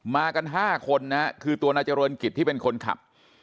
มากัน๕คนนะฮะคือตัวนายเจริญกิจที่เป็นคนขับ